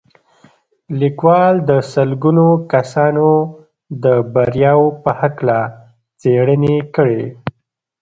ليکوال د سلګونه کسانو د برياوو په هکله څېړنې کړې.